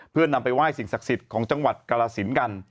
เพื่อนำไปไหว้สิ่งศักดิ์สิทธิ์ของจังหวัดกรสินกัน